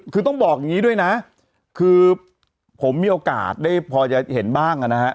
คือต้องบอกอย่างนี้ด้วยนะคือผมมีโอกาสได้พอจะเห็นบ้างนะฮะ